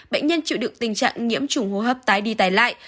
bệnh nhân chịu được tình trạng nhiễm trùng hô hấp tái đi tái lại